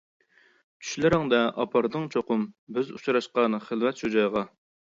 چۈشلىرىڭدە ئاپاردىڭ چوقۇم، بىز ئۇچراشقان خىلۋەت شۇ جايغا.